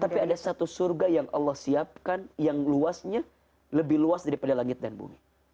tapi ada satu surga yang allah siapkan yang luasnya lebih luas daripada langit dan bumi